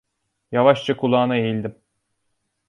Yavaşça kulağına eğildim.